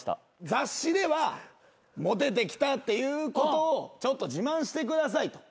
雑誌ではモテてきたっていうことをちょっと自慢してくださいと。